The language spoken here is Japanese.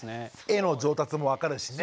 絵の上達も分かるしね。